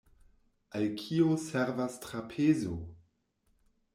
Al kio servas trapezo?